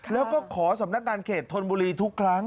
แล้วก็ขอสำนักงานเขตธนบุรีทุกครั้ง